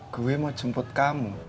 gue mau jemput kamu